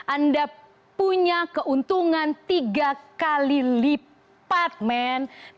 anda punya keuntungan tiga kali lipat men